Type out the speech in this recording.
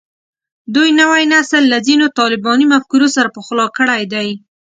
دوی نوی نسل له ځینو طالباني مفکورو سره پخلا کړی دی